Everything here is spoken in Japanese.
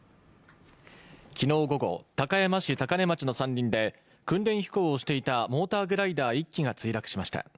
昨日午後、高山市高根町の山林で訓練飛行をしていたモーターグライダー１機が墜落しました。